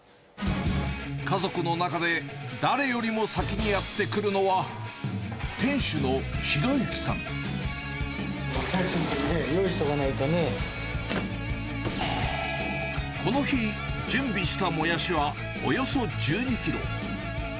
家族の中で誰よりも先にやって来るのは、モヤシもね、用意しとかないこの日、準備したモヤシはおよそ１２キロ。